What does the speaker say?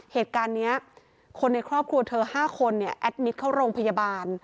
เหตุการณ์นี้คนในครอบครัวเธอ๕คนเนี่ยแอดมิตรเข้าโรงพยาบาล